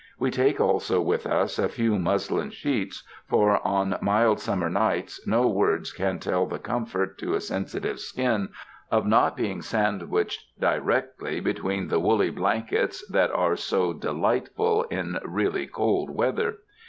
We take also with us a few muslin sheets, for on mild summer nights no words can tell the comfort to a sensitive skin of not being sandwiched directly between the woolly blankets that are so de lightful in really cold weather.